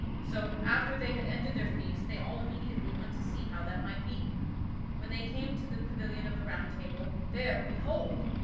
So after they had ended their feast they all immediately went to see how that might be. When they came to the pavilion of the Round Table, there, behold!